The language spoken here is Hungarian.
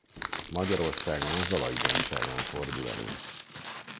Magyarországon a Zalai-dombságon fordul elő.